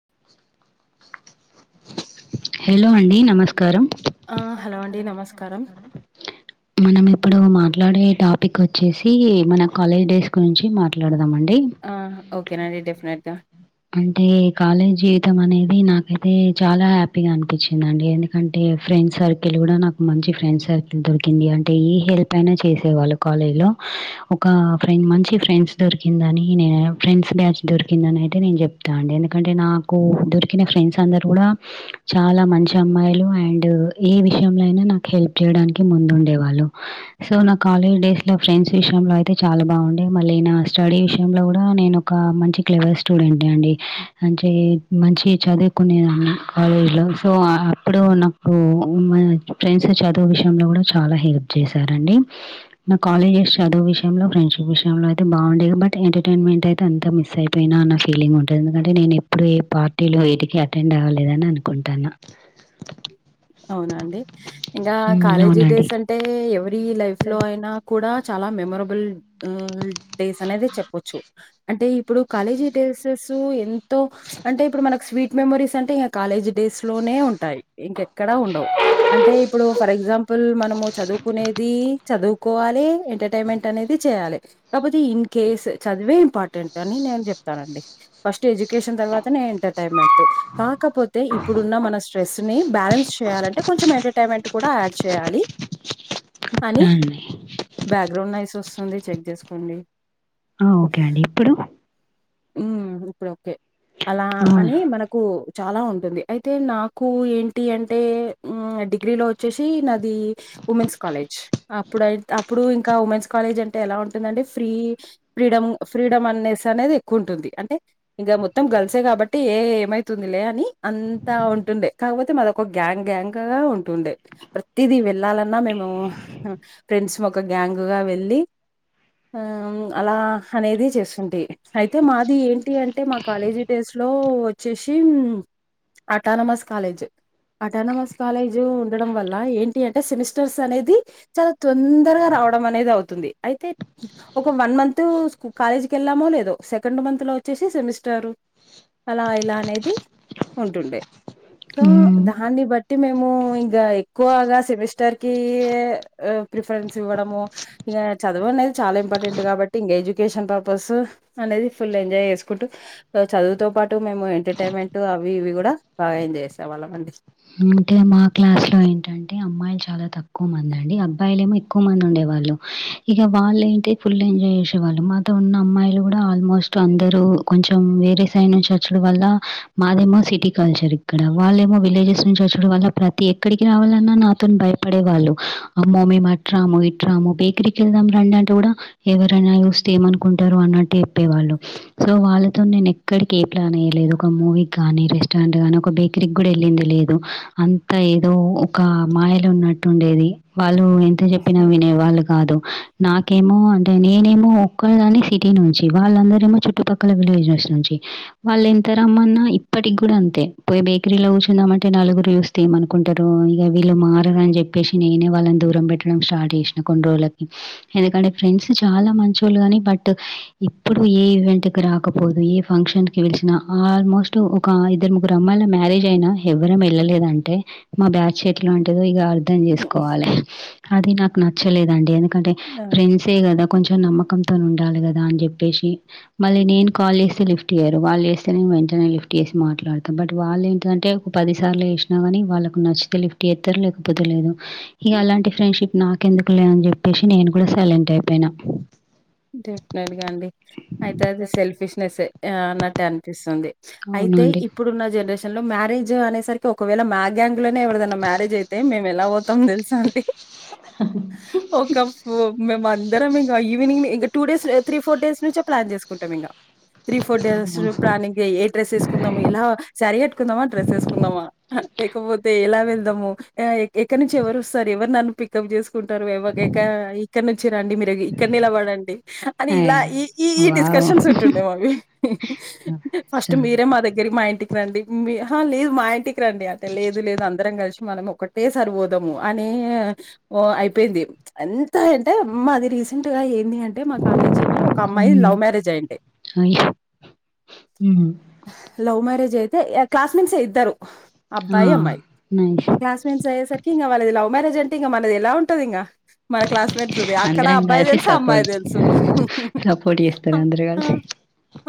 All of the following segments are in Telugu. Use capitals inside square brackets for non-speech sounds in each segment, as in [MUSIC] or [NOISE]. [INAUDIBLE] హలో అండి నమస్కారం. ఆ హలో అండి నమస్కారం మనం ఇప్పుడు మాట్లాడే టాపిక్ వచ్చేసి మన కాలేజ్ డేస్ గురించి మాట్లాడదాం అండి ఆ ఓకేనండి డెఫినెట్గా అంటే కాలేజ్ జీవితం అనేది నాకైతే చాలా హ్యాపీగ అనిపించిందిండి ఎందుకంటే ఫ్రీ ఫ్రెండ్ సర్కిల్ కూడ నాకు మంచి ఫ్రెండ్ సర్కిల్ దొరికింది అంటే ఏ హెల్ప్ అయిన చేసేవాళ్ళు కాలేజ్ లో ఒక ఫ్రెండ్ మంచి ఫ్రెండ్స్ దొరికిందని నేను ఫ్రెండ్స్ బ్యాచ్ దొరికిందని అంటె నేను చెప్తా అండి ఎందుకంటే నాకు దొరికిన ఫ్రెండ్స్ అందరు కూడ చాల మంచి అమ్మాయిలు అండ్ ఏ విషయంలో అయిన నాకు హెల్ప్ చేయడానికి ముందు ఉండేవాళ్ళు సో న కాలేజ్ డేస్ లో ఫ్రెండ్స్ విషయంలో అయితే చాల బాగుండే మళ్ళీ నా స్టడీ విషయంలో కూడ నేను ఒక మంచి క్లెవర్ స్టూడెంట్ అండి అంటె మంచి చదువుకునే కాలేజ్ లో సో అప్పుడు నాకు ఫ్రెండ్స్ చదువు విషయంలో కూడ చాల హెల్ప్ చేశారండి నాకు కాలేజెస్ చదువు వియంలో ఫ్రెండ్షిప్ మిస్ అవ్వడం అయితే బాగుండేది బట్ ఎంటర్టైన్మెంట్ అయితే అంతా మిస్ అయిపోయిన అన్న ఫీలింగ్ ఉంటుంది ఎందుకంటే నేను ఎప్పుడు ఏ పార్టీలో ఏటికి అటెండ్ అవ్వలేదని అనుకుంటాన్న అవునండి ఇంకా హ్మ్. కాలేజీ అవునండి. డేస్ అంటే ఎవరి లైఫ్ లో అయినా కూడా చాలా మెమొరబుల్ ఆ డేస్ అనేది చెప్పొచ్చు అంటే ఇప్పుడు కాలేజీ డేసీస్ సో ఎంతో అంటే ఇప్పుడు మనకు స్వీట్ మెమరీస్ అంటే ఇంకా కాలేజ్ డేస్ లోనే ఉంటాయి ఇక్కడ ఉండవు అంటే ఇప్పుడు ఫర్ ఎగ్జాంపుల్ మనము చదువుకునేది చదువుకోవాలి ఎంటర్టైన్మెంట్ అనేది చేయాలి కాకపోతే ఇన్ కేస్ చదివే ఇంపార్టెంట్ అని నే చెప్తానండి ఫస్ట్ ఎడ్యుకషన్ తర్వా కాకపోతే ఇప్పుడున్న మన స్ట్రెస్ ని బ్యాలన్ చేయాలంటే కొంచెం పేమెంట్ కూడా యాడ్ చేయాలి అని ఆ! అండి. బ్యాక్గ్రౌండ్ నైస్ వస్తుంది చెక్ చేసుకోండి ఆ ఓకే అండి ఇప్పుడు ఉ ఇప్పుడు కే అలా ఆ! అని మనకు చాలా ఉంటుంది అయితే నాకు ఏంటి అంటే డిగ్రీలో వచ్చేసి నాది ఉమెన్స్ కాలేజ్ అప్పుడు అప్పుడు ఇంకా ఉమెన్స్ కాలేజ్ అంటే ఎలా ఉంటుందంటే ఫ్రీ ఫ్రీడ ఫ్రీడమ్ అనేస్ అనేది ఎక్ంటుంది అంటే ఇంకా మొత్తం కలిసే కాబట్టి ఏ ఏమైతుంది లే అని అంతా ఉంటుండే కాకపోతే మాద గ్యాంగ్ గ్యాంగ్ గా ఉంటుండే ప్రతిది వెళ్ళాలన్నా మేము ఫంస్ ఒక గ్యాంగ్గా వెళ్ళి అలా అనేది చేసుకుంటే అయితే మాది ఏంటి అంటే మా కాలేజీ డేస్ లో వచ్చేసి అటానమస్ కాలేజ్ అటానమస్ కాలేజీ ఉండడం వల్ల ఏంటి అంటే సెమిస్టర్స్ అనేది చాలా తొందరగా రా అడం అనేది అవుతుంది అయితే ఒక వన్ మంత్ కాలేజీకి వెళ్ళామో లేదో సెకండ్ మంత్ లో వచ్చేసి సెమిస్టర్ అలా ఇలా అనేది ఉంటుండే సో హ్మ్. దాన్ని బట్టి మేము ఇంకా ఎక్కువగా సెమిస్టర్ కి ప్రిఫరెన్స్ ఇవ్వడము ఇంకా చదవ అనేది చాలా ఇంపార్టెంట్ కాబట్టి ఇంకా ఎడ్యుకేషన్ పర్పస్ అనేది ఫుల్ ఎంజాయ్ చేసుకుంటూ చదువుతో పాటు మేము ఎంటర్టైన్మెంట్ అవి ఇవి కూడా బాగా ఎంజా చేసే సవాలమండి అంటే మా క్లాస్ లో ఏంటంటే అమ్మాయిలు చాలా తక్కువ మంది అండి అబ్బాయిలు ఏమో ఎక్కువ మంది ఉండేవాారు వాళ్ళ ఇక వాళ్ళు ఏంటి ఫుల్ ఎంజాయ్ చేసేవాళ్ళు మాతో ఉన్న అమ్మాయిలు కూడా ఆల్మోస్ట్ అందరుూ కొంచెం వేరే సైడ్ చర్చులు వల్ల మాదేమో సిటీ కల్చర్ ఇక్కడ వాళ్ళేమో విలేజెస్ డం వల్ల ప్రతి ఎక్కడికి రావాలన్నా నాతో భయపడే వాళ్ళు అమ్మో మేము అట్రాము ఇట్రాము బేకరీకి వెళ్దాం రండి అంటే కూడా ఎవరనా చూస్తే ఏమనుకుంటారు అన్నట్టు చెప్పేవాళ్ళు సో వాళ్ళతో నేను ఎక్కడి కే ప్లాన్ అయ్యలేదు ఒక మూవీకి గానీ రెస్టారెంట్ గానీ ఒక బేకరీకి కూడా వెళ్ళింది లేదు అంతా ఏదో ఒక మాయలు ఉన్నట్టు ఉండేది వాళ్ళు ఎంత చెప్పినా వినేవాళ్ళు కాదు నాకేమో నేనేమో ఒక్కళ్ళదని సిటీ నుంచి వాళ్ళందర ఏమో చుట్టుపక్కల విలేజెస్ నుంచి వాళ్ళ ఎంత ఇ తరమ్మన్న ఇప్పటికి కూడా అంతే పోయి బేకరీలో కూర్చుంద అమ్ంట అంటే నలుగురు చూస్తేయమనుకుంటారు ఇక వీళ్ళు మారర అని చెప్పేసి నేనే వాళ్ళని దూరం పెట్టడం స్టార్ట్ చేసినాం కొన్ని రోజులకి ఎందుకంటే ఫ్రెండ్స్ చాలా మంచిళ్లు కాగానీ బట్ ఇప్పుడు ఏ ఈవెంట్ రాకపోదు ఏ ఫంక్షన్ కి వెలిసినా ఆల్మోస్ట్ ఒక ఇద్దరు ముగ్రుమ్మల మ్యారేజ్ అయినా ఎవ్వర వెళ్ళలేదంటే మా బ్యాడ్ షీట్ లాంటిదో ఇక అర్ధం చేసుకోవాలి అది నాకు నచ్చలేదండి ఎందుకంటే ఫ్రెండ్సే కదా కొంచెం నమ్మకంతో ఉండాలి కదా అని చెప్పేసి మళ్ళీ నేను కాల్ చేసి లిఫ్ట్ టీయారు వాళ్ళు చేస్తే నే వెంటనే లిఫ్ట్ చేసి మాట్లాడతాం బట్ వాళ్ళు ఏంటంటే పది సార్లు వేసినా గానీ వాళ్ళకి నచ్చితే లిఫ్ట్ చేస్తారు లేకపోతే లేదు ఇక అలాంటి ఫ్రెండ్షిప్ నాకే ఎందుకు లే అని చెప్పేసి నేను కూడా సైలెంట్ అయిపోయిన డెఫినెట్ గా అండి అయితే అది సెల్ఫిష్నెస్ అన్నట్టు అనిపిస్తుంది. అయితే అవునండి. ఇప్పుడున్న జనరేషన్ లో మ్యారేజ్ అనేసరికి ఒకవేళ మ్యా గ్యాంగ్ లోనే ఎవరిదైనా మ్యేజ్ అయితే మేము ఎలా పోతాం తెలుసా అండి? ఒకపు మేము అందరం ఇంకా ఈవెనింగ్ ఇ టూ డేస్ తీ ఫోర్ డేస్ నుంచి ప్లాన్ చేసుకుంటాం ఇంక త్రీ ఫోర్ డేస్ అమ్మో ప్లానింగ్ ఏ డ్రెస్ వేసుకుందాము ఎలా శారీ కట్టుకుందామా, డ్రెస్ వేసుకుందామా లేకపోతే ఎలా వెళ్దాము ఎక్కడి నుంచి ఎవరు వస్తారు ఎవరు నన్ను పికప్ చేసు కుంటారు ఎవ్వగేక ఇక్కడ నుంచి రండి మీరు ఇక్కడ నిలబడండి అని ఏ ఇలా ఇ ఈ వావ్ డిస్కషన్స్ండ మావి స ఫస్ట్ మీర మాద రి మ ఇంటికి రండి మె అహ లేదు మా ఇంటికి రండి అదే లేదు లేదు అందరం కలిసి మనం ఒక్కటే సారి పోదాము అని ఏ అయిపోయింది అంత అంటే మాది రీసెంట్ గా ఏమి అంటే మా కాలేజీ లో ఒక అమ్మాయి మ్మ్ లవ్ మ్యారేజ్ అయిండి అయ్యో మ్మ్ లవ్ మ్యారేజ్ అయితే క్లాస్మేట్స్ ఇద్దరు ఆ అబ్బాయి అమ్మాయి నైస్ క్లాస్మెంట్స్ అయేసరికి ఇంకా వాలది లవ్ మ్యారేజ్ అ టింగా మనది ఎలా ఉంటది ఇంగా మన క్లాసుమేట్స్ది అక్కడ అందరం అబ్బాయి కలిసి తెలుసు అమ్మాయి సపోర్ట్ తెలు సు సపోర్ట్ చేస్తారు హహహ అందరు అ కలిసి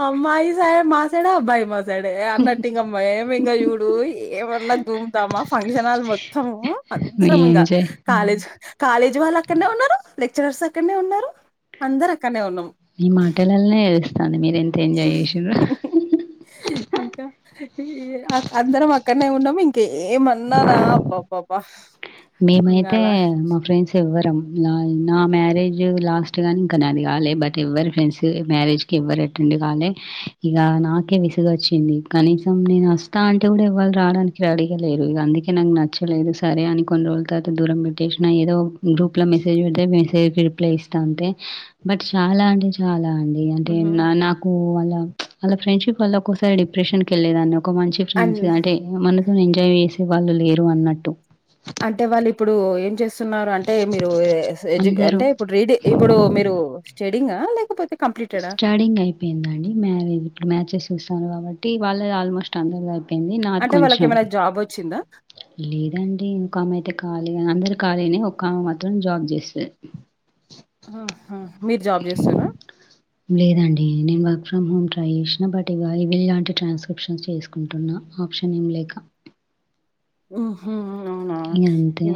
ఆ అమ్మాయి మా సైడ్ అబ్బాయి మా సైడ్ ఏ సడే అన్నట్టు ఇంకమ్ మ ఏమి ఇంకా చూడు ఏమన్నా దూముతామా ఫంక్షన్ హల్ మొత్తము మీ అందరం ఇంకా ఎంజాయ్ కాలేజ్ కాలేజీ వాళ్ళు అక్కడనే ఉన్నారు. లెక్చరర్స్ అక్కడనే ఉన్నారు, అందరు అక్కడనే ఉన్నాం. మీ మాటలలోనే అని మీరు ఎంత ఎంజాయ్ చేసురు హ్హ్ ఇంకా ఈ అ అందరం మా అక్కడనే ఉండము ఇంకేమన్నానా అబ్బాబ్బాబ్బ మేమైతే మా ఫ్రెండ్స్ ఎవ్వరం నాది నా మ్యారేజ్ లాస్ట్ గాని ఇంకా నాది కాలే బట్ ఎవ్వరి ఫ్రెండ్స్ మ్యారేజ్ కి ఎవ్వరు అటెండ్ నివ్ గానే ఇగ నాకే విసుగు వచ్చింది కనీసం నేను వస్తా అంటే కూడా ఎవళ రావడానికి రడిగలేరు ఇగ అందుకే నాకు నచ్చలేదు సరే అని కొన్ని రోజుల తర్వాత దూరం పెట్టేసిన ఏదో గ్రూప్ లో మెసేజ్ పెడితే మెసేజ్ రిప్లై ఇస్తా అంతే బట్ చాలా అంటే చాలా అన్ ఇగ అంటే హుహు. నా నాకు వాళ్ళ వా ఫ్రెండ్షిప్ వల్ల ఒక్కసారి డిప్రెషన్ క వెళ్ళలేదాన్ని ఒక మంచి అన్ ఫ్రెండ్స్ అంటే మనతో ఎంజాయ్ చేసే వాళ్ళు లేరు అన్నట్టు అంటే వాళ్ళు ఇప్పుడు ఏం చేస్ స్తున్నారు అంటే మీరు ఎ ఎస్ ఎడ్యూ అందరూ అంటే ఇప్పుడు రీడి ఇప్పుడు మీరు స్టడింగ లేకపోతే కంప్లీటెడా? స్టడీంగ్ అయిపోయిందండి మ్యారేజ్ ఇప్పుడు మ్యాచెస్ చూస్తారు కాబట్టి వాళ్ళ ఆల్మోస్ట్ అందరు అపో యింది నాది అంటే కొంచెం వాళ్ళకేమైనా జాబొచ్చిందా? లేదండి ఇంకా ఆమె అయితే ఖాళీ అని అందరు ఖాళీనే ఒక ఆమె మాత్రం జాబ్ చేస్తాది. ఆహా! మీరు జాబ్ చేస్తుర్రా? లేదండి నేను వర్క్ ఫ్రమ్ హోమ్ ట్రై చేసిన బట్ ఇవ ఇవిలాంటి ట్రాన్స్క్రిప్షన్స్ చేసుకుంటున్నా ఆప్షన్ ఏం లేక ఆహా ఇగ అంతే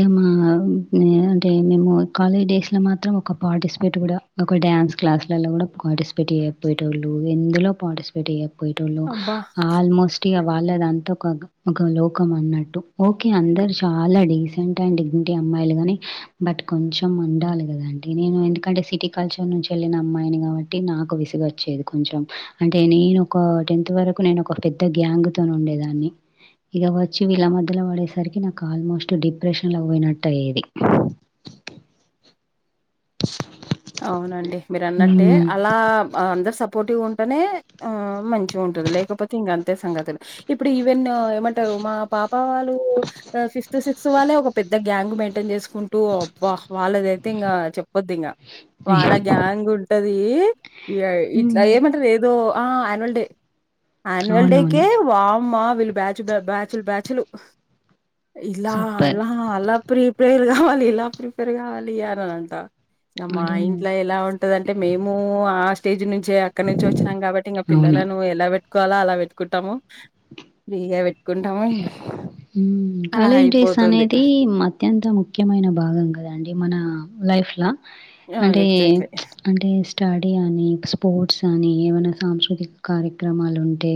ఏ మా అ నే అంటే మేము కాలేజ్ డేస్ లో మాత్రం ఒక పార్టిసిపేట్ కూడా ఒక డ్యా న్స్ క్లాసులలో కూడా పార్టిసిపేట్ ఎయకపోయే వాళ్ళు ఎందులో పార్టిసిపేట్ ఎయ్య పోయేటోలు అబ్బా! ఆల్మోస్ట్ ఇగ వాళ్ళదంతా ఒక ఒక లోకం అన్నట్ ఓకే అందరు చాలా డీసెంట్ అండ్ డిగ్నిటీ అమ్మాయిలు గాని బట్ కొంచెం ఉండాలిగా అంటే నేను ఎందుకంటే సిటీ కల్చర్ నుంచి వెళ్ళిన అమ్మాయిని కాబట్టి నాకు విసుగ వచ్చేది కొంచెం అంటే నేను ఒక టెన్త్ వరకు నేను ఒక పెద్ద గ్యాంగ్ తోనే ఉండేదాన్ని ఇక వచ్చి వీళ్ళమో మొదల పడేసరికి నాకు ఆల్మోస్ట్ డిప్రెషన్లో పోయినట్టు అయ్యేది అవునండి మీరు అన్నట్టే మ్మ్. అలా అందరు సపోర్టివ్గా ఉం టేనే ఆ మంచిగా ఉంటది లేకపోతే ఇంకా అంతే సంగతులు ఇప్పుడు ఈవెన్ ఏమంటారు మా పాప వాళ్ళ ఫిఫ్త్ సిక్స్త్ వాళ్ళే ఒక పెద్ద గ్యాంగ్ మెయింటైన్ చేసుకుంట టూ అబ్బా వాళ్ళదైతే ఇంకా చెప్పొదు ఇంకా వాళ్ళ గ్యాంగ్ ఉంటది ఇగ ఇట్లా మ్మ్. ఏమంటారు ఏదో ఆ యాన్యువల్ డే ఆన్యువల్ అవునవును డేకే వామ్మా వీళ్ళు బ్యాచ్ బ్యాచుల బ్యాచ్లు ఇలా సూపర్ అలా అలా ప్రిపేర్ కావాలి ఇలా ప్రిపేర్ కావాలి అని అంట ఇంక మా అంటే ఇంట్లో ఎలా ఉంటదింటే మేము ఆ స్టేజ్ నుం అక్కడ నుంచి వచ్చినాం కాబట్టి ఇంకా అవును పిల్లలను ఎలా పెట్టుకోవాలో అలా పెట్టుకుంటాము ఫ్రీగా పెట్ అవన్జూ కాలేజ్ డేస్ అనేది అత్యంత ముఖ్యమైన భాగం కదండి మన లైఫ్లా ఆ అంటే ఎగ్జాక్ట్లీ అంటే స్టడీ అని స్పోర్ట్స్ అని ఏమనా సాంస్కృతిక కార్యక్రమాలు ఉంటే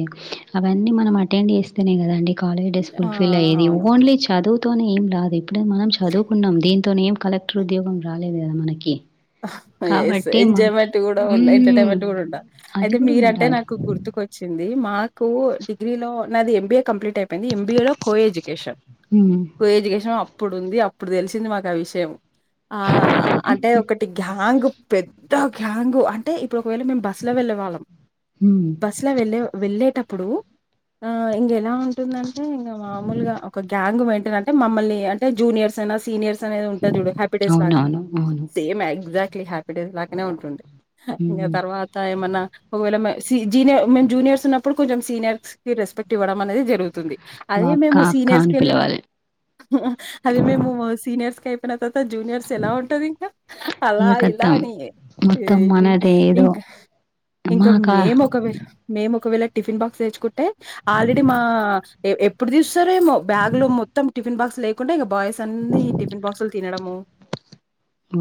అవన్ మనం అటెండ్ చేస్తే కద అండి కాలేజ్ డేస్ ఆ ఫుల్ ఫిల్ అయేది అవును ఓన్లీ చదువు తోనే ఏం రాదు ఇప్పుడే మనం చదువుకున్నాం దీంతోనే ఏం కలెక్టర్ ఉద్యోగం రాదు కదా మనకి ఎస్ కాబట్టి మ ఎంజాయ్మెంట్ కూడా ఉండే హ్మ్. ఎంటర్టైన్మెంట్ కూడా ఉండాల అది అయితే కూడా మీరంటే ఉండాలి. నాకు గుర్తు కోచ్చింది మాకు డిగ్రీలో నాది ఎంబీఏ కంప్లీట్ అయిపోయింది ఎంబిఏ లో కో ఎడ్యుకేషన్ హ్మ్. కోఎడ్యుకేషన్ అప్పుడుంది అప్పుడు తెలిసింది మాకు ఆ విషయం ఆ అంటే ఒక గ్యాంగ్ పెద్ద గ్యాంగ్ అంటే ఇప్పుడు ఒకవేళ మేము బస్సు లో వెళ్ళే వాళ్ళం హ్మ్. బస్ లో వెళ్ళ వెళ్ళేటప్పుడు ఆ ఇంక ఎలా ఉంటుందంటే అదే ఇంకా మామూలుగా ఒక గ్యాంగ్ పెట్టారు అంటే మమ్మల్ని అంటే జూనియర్స్ అన్నో సీనియర్స్ అనేది ఉంటారు చుడు హ్యాపీడేస్ లాగా అవునవును. అవును. సేమ్ ఎగ్జాక్ట్లీ హ్యాపీడెస్ లాగానే ఉంటుండే ఇంకా హ్మ్. తర్వాత ఏమన్నా ఒకవేళ సి జీనే మేం జూనియర్స్ ఉన్నప్పుడు కొంచెం సీనియర్స్ కి రెస్పెక్ట్ ఇవ్వడం అనేది జరుగు తుంది వా అదే అక్క, మేము అక్క సీనిర్స్ అని వెళ్ళ పిలవాలి. అదే మేము సీనియర్స్ కే ఇక్కడ తర్వాత జూనియర్స్ ఎలా ఉంటది ఇంకా అలా ఇక ఖతం. ఇలాని మొత్తం ఏది మనదే ఏదో ఇంకా ఇంకా మా కా మేం ఒకవే మేము ఒకవేళ టిఫిన్ బాక్స్ తెచుకుంటే ఆల్రెడీ మా ఎప్పుడు తీస్తారేమో బ్యాగ్ లో మొత్తం టిఫిన్ బాక్ లేకుంటే ఇగ బాయ్స్ అన్ని టిఫిన్ బాక్స్లు తినడము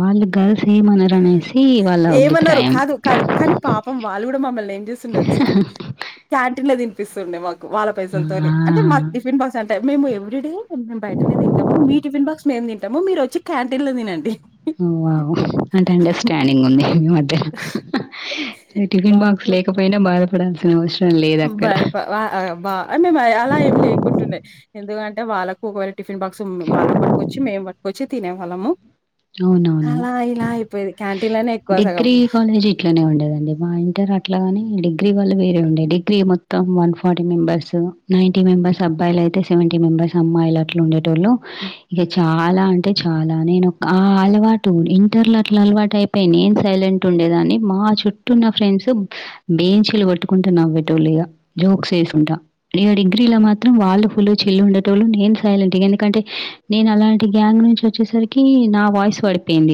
వాళ్ళు గర్ల్స్ ఏమనరనేసి వాళ్ళ ఏమన్నారు అభిప్రాయం. కాదు కాదు కానీ పాపం వాళ్ళు కూడా మమ్మల్ని ఏం చేసినురు తెలుసా తినిపిస్తుండే మాకు వాళ్ళ ఆ! పైసలతోని అంటే మాకు టిఫిన్ బాక్స్ అంటే మేము ఎవ్రీ డే మేము బయటనే తింటాము మీ టిఫన్ బాక్స్ మేము తింటాము మీరు వచ్చి క్యాంటీన్ లో తినండి వావ్ అంటే అండర్స్టాండింగ్ ఉంది మీ మధ్య మీ వా టిఫిన్ బాక్స్ లేకపోయినా బాధపడాల్సిన అవస్ బయ్ బ అ మే అలా ఏం లేకుంటుండే ఎందుకంటే వాళ్ళకు ఒకరి టిఫిన్ బాక్స్ వాళ్ళకు పట్టుకొచ్చి మేము పట్టుకవచ్చి తినేవాళ్ళము అవునవును. అలా ఇలా అయిపోయిది డిగ్రీ కాలేజ్ ఇట్లనే ఉండేదండి మా ఇంటర్ అట్లాగాని డిగ్రీ డిగ్రీ వాళ్ళవి వేరేండే డిగ్రీ మొత్తం వన్ ఫార్టీ మెంబర్స్ నైంటీంబర్స్బ్బయిలయితే సెవెంటీ మెంబె ర్స్ అమ్మాయిలు అట్లు ఉండేటోళ్ళు ఇక చాలా అంటే చాలా నేను ఆ అలవాటు ఉంది ఇంటర్లో అట్ల అలవాటు అయిపోయి నేన్ సైలెంట్ ఉండేదాన్ని మా చుట్టూన్న ఫ్రెండ్స్ బేంచలు పట్టుకుంటా నవ్వెటోళ్లు ఇగ జోక్స్ వేసుంటా ఇక డిగ్రీలా మాత్రం వాళ ఫులు చిల్ ఉండెటోళ్ళు నేను సైలెంట్ ఎందుకంటే నేను అలాంటి గ్యాంగ్ నుంచి వచ్చేసరి కి నా వాయిస్ పడిపోయింది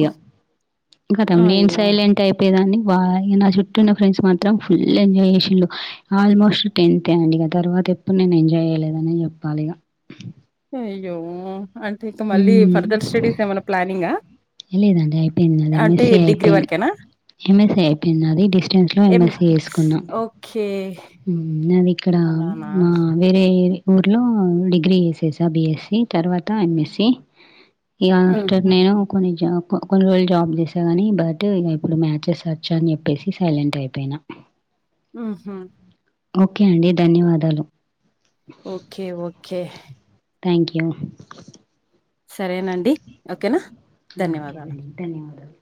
ఇగ కదం నేను అయ్యో! సైలెంట్ అయిపోయేదాన్ని వాళ్లు నా చుట్టూన్న ఫ్రెండ్స్ మాత్రం ఫుల్ ఎంజాయ్ చేసిళ్లు ఆల్మోస్ట్ టెన్త్ అండి ఇక తర్వాత ఎప్పుడు నేను ఎంజాయ్ చేయలేదని చెప్పాలి ఇగ అయ్యో అంటే ఇక మళ్ళీ హ్మ్. ఫర్దర్ స్టడీస్ ఏమైనా ప్లానింగ? లేదండి అయిపొయింది నాది ఎమ్మెస్సీ ఐపోయిన్ వరకేనా ఎమ్ఎస్సి అయిపోయింది నాది డిస్టెన్స్ లో ఏం ఎంఎస్స వేసుకున్నా. ఓకే నాది ఇక్కడ అలానా మా వేరే వేరే ఊర్లో డిగ్రీ చేసేసా బిఎస్సి తర్వాత ఎంఎస్సి ఇగ ఆఫ్టర్ ఉహు నేను కొన్ని జాబ్ కొన్ని రోజులు జాబ్ చేసా గాని బట్ ఇక ఇప్పుడు మ్యాచెస్ వచ్చా అని చెప్పేసి సైలెంట్ అయిపోయిన ఆహ ఓకే అండి ధన్యవాదాలు ఓకే ఓకే థ్యాంక్ యూ సరేనండి ఓకేనా ధన్యవాదాలు ఓకేనండి ధన్యవాదాలు